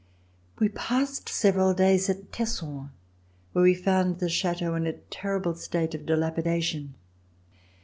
We passed several days at Tesson, where we found the Chateau in a terrible state of dilapidation.